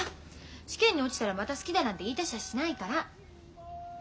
試験に落ちたらまた好きだなんて言いだしゃしないから。